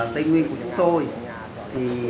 tây nguyên của chúng tôi